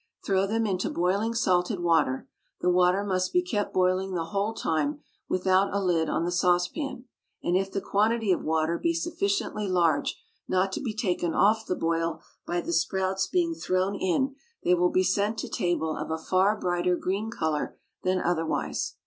Throw them into boiling salted water; the water must be kept boiling the whole time, without a lid on the saucepan, and if the quantity of water be sufficiently large not to be taken off the boil by the sprouts being thrown in they will be sent to table of a far brighter green colour than otherwise.